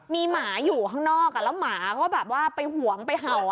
มีหมาอยู่ข้างนอกแล้วหมาก็แบบว่าไปหวงไปเห่า